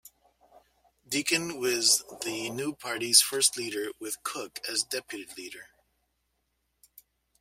Deakin was the new party's first leader, with Cook as deputy leader.